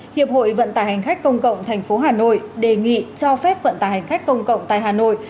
hiệp hội vận tải hành khách công cộng tp hà nội đề nghị cho phép vận tải hành khách công cộng tại hà nội